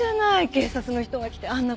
警察の人が来てあんな